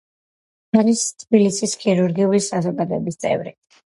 არის თბილისის ქირურგიული საზოგადოების წევრი.